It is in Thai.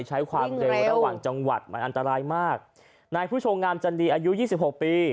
ใช้ความเร็วระหว่างจังหวัดมันอันตรายมากนายผู้ชมงามจันดีอายุยี่สิบหกปี